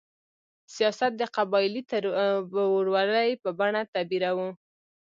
سیاست د قبایلي تربورولۍ په بڼه تعبیروو.